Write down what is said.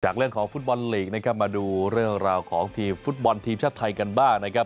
เรื่องของฟุตบอลลีกนะครับมาดูเรื่องราวของทีมฟุตบอลทีมชาติไทยกันบ้างนะครับ